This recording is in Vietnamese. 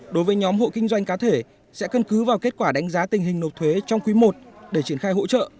đối với nhóm hộ kinh doanh cá thể sẽ cân cứ vào kết quả đánh giá tình hình nộp thuế trong quý i để triển khai hỗ trợ